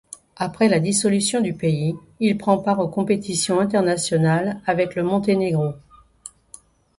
Après la dissolution du pays il prend part aux compétitions internationales avec le Monténégro.